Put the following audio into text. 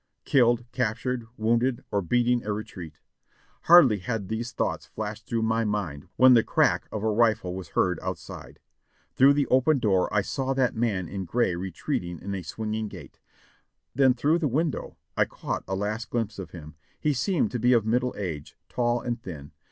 Killed, captured, wounded or beating a retreat? Hardly had these thoughts flashed through my mind when the crack of a rifle was heard outside ; through the open door I saw that man in gray retreating in a swinging gait ; then through the window I caught a last glimpse of him ; he seemed to be of middle age, tall and thin.